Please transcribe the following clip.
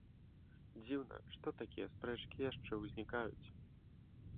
Дзіўна, што такія спрэчкі яшчэ ўзнікаюць.